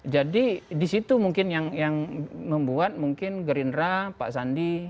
jadi disitu mungkin yang membuat mungkin gerindra pak sandi